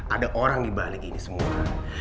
ada orang di balik ini semua